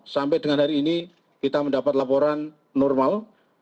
sampai dengan hari ini kita mendapat laporan normal